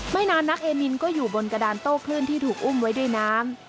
ไม่นานนักเอมินก็อยู่บนกระดานโต้คลื่นที่ถูกอุ้มไว้ด้วยน้ำ